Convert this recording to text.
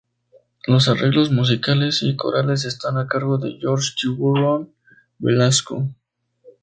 Los arreglos musicales y corales están a cargo de Jorge "Tiburón" Velazco.